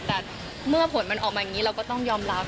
แต่เมื่อผลมันออกมาอย่างงี้